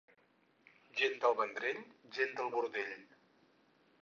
Gent del Vendrell, gent de bordell.